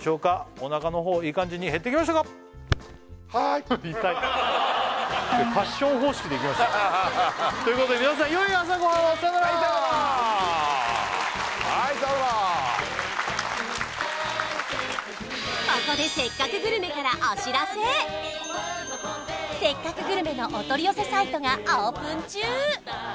お腹のほういい感じに減ってきましたか？ということで皆さんよい朝ごはんをさよならはいさよならはいさよなら「せっかくグルメ！！」のお取り寄せサイトがオープン中